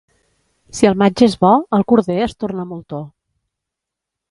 Si el maig és bo, el corder es torna moltó.